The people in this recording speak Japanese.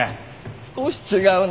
少し違うな。